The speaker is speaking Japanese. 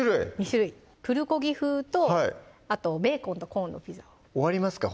２種類プルコギ風とあとベーコンとコーンのピザを終わりますか？